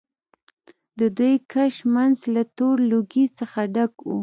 د دود کش منځ له تور لوګي څخه ډک و.